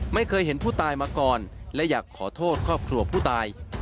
ไม่เคยเห็นผู้ตายมาก่อนและอยากขอโทษครอบครัวผู้ตาย